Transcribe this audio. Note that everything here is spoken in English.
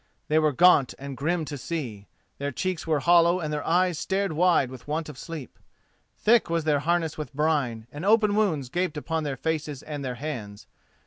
They were gaunt and grim to see. Their cheeks were hollow and their eyes stared wide with want of sleep. Thick was their harness with brine, and open wounds gaped upon their faces and their hands.